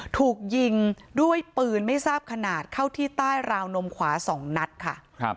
ถูกยิงด้วยปืนไม่ทราบขนาดเข้าที่ใต้ราวนมขวา๒นัดค่ะ